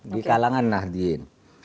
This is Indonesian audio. di kalangan nahdien